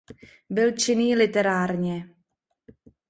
Byl činný literárně.